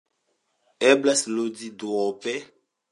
Eblas ludi duope.